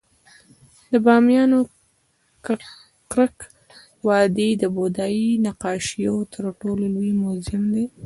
د بامیانو ککرک وادي د بودايي نقاشیو تر ټولو لوی موزیم دی